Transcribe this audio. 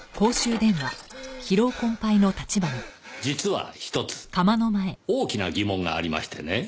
実はひとつ大きな疑問がありましてね。